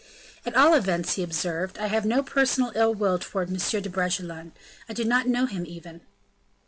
"At all events," he observed, "I have no personal ill will towards M. de Bragelonne; I do not know him even."